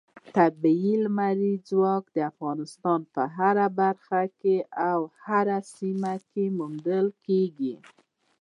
طبیعي لمریز ځواک د افغانستان په هره برخه او هره سیمه کې موندل کېږي.